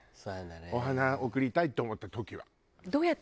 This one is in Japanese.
お花贈りたいって思った時は。